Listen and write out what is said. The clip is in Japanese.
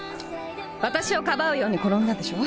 私をかばうように転んだでしょう？